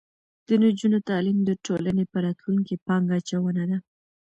د نجونو تعلیم د ټولنې په راتلونکي پانګه اچونه ده.